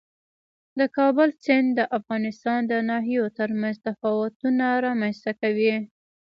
د کابل سیند د افغانستان د ناحیو ترمنځ تفاوتونه رامنځ ته کوي.